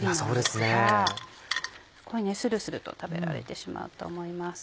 すごいするすると食べられてしまうと思います。